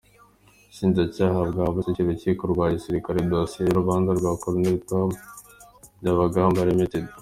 Ubushinjacyaha bwashyikirije Urukiko rwa gisirikare idosiye y’urubanza rwa Col Tom Byabagamba, Rtd.